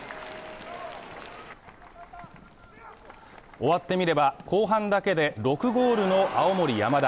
終わってみれば後半だけで６ゴールの青森山田。